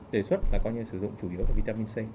đề xuất là coi như sử dụng chủ yếu là vitamin c